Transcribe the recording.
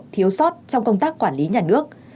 thiếu sót trong công tác quản lý nhà nước